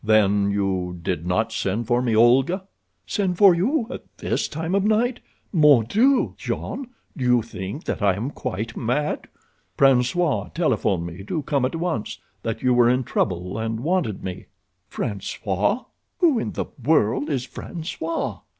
"Then you did not send for me, Olga?" "Send for you at this time of night? Mon Dieu! Jean, do you think that I am quite mad?" "François telephoned me to come at once; that you were in trouble and wanted me." "François? Who in the world is François?"